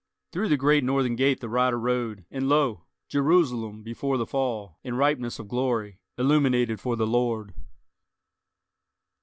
Through the great northern gate the rider rode, and lo! Jerusalem before the fall, in ripeness of glory, illuminated for the Lord.